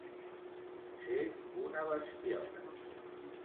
Ser una bestiota.